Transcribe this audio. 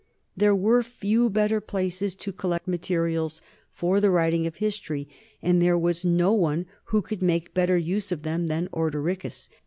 There were few better places to collect materials for the writing of history, and there was no one who could make better use of them than Ordericus.